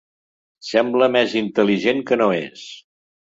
Sembla més intel·ligent que no és.